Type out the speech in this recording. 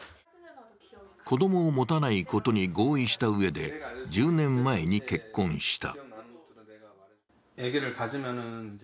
子供を持たないことに合意したうえで１０年前に結婚した。